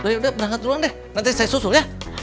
udah berangkat duluan deh nanti saya susul ya